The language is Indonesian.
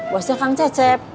bosnya kang cecep